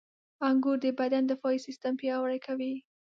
• انګور د بدن دفاعي سیستم پیاوړی کوي.